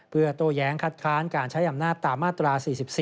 เพื่อโต้แย้งคัดค้านการใช้อำนาจตามมาตรา๔๔